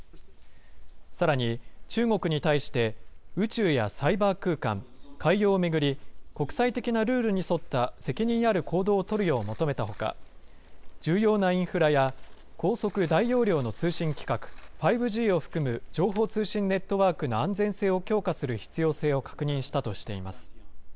さらに、中国に対して宇宙やサイバー空間、海洋を巡り、国際的なルールに沿った責任ある行動を取るよう求めたほか、重要なインフラや高速、大容量の通信規格５Ｇを含む情報通信ネットワークの安全性を強化する必要性を確認したとしています。